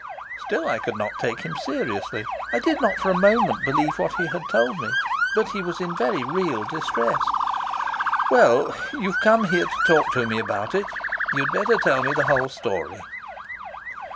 Still I could not take him seriously. I did not for a moment believe what he had told me. But he was in very real distress. "Well, you've come here to talk to me about it. You'd better tell me the whole story."